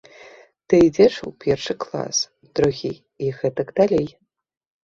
Ты ідзеш у першы клас, другі і гэтак далей.